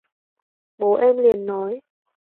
bố em liền nói